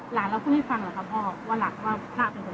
หลานเราพูดให้ฟังเหรอครับพ่อว่าหลานว่าพระเป็นคน